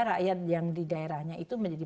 rakyat yang di daerahnya itu menjadi